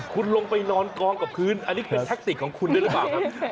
คุณลงไปนอนกองกับพื้นอันนี้เป็นแท็กติกของคุณด้วยหรือเปล่าครับ